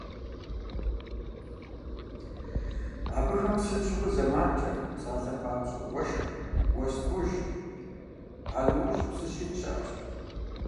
Абыхэм сыт щыгъуи зэманкӀэ, псалъэм папщӀэ, уэшх, уэс ткӀуж а нэужь псы щит щыӀэщ.